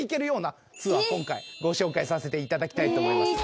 今回ご紹介させていただきたいと思います。